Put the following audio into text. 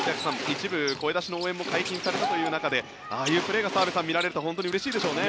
一部声出しの応援も解禁されたという中でああいうプレーが見られると本当にうれしいでしょうね。